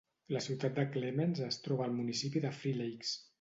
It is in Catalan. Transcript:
La ciutat de Clements es troba al municipi de Three Lakes.